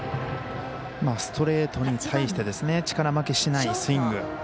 ストレートに対して力負けしないスイング。